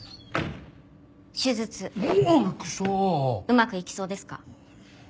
うまくいきそうですか？